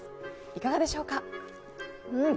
いかがでしょうか。